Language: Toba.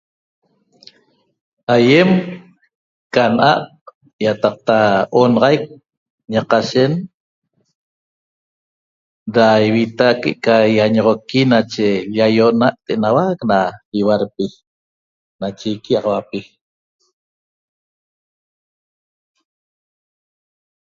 Aiem ca naa iataqta onaxaiq ña cashen da ivita ca iñoxoqui nache iallona na igualpi nache iquiaxahuapi